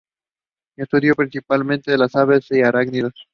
Estudió principalmente las aves y arácnidos.